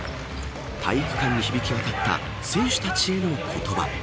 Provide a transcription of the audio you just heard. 体育館に響き渡った選手たちへの言葉。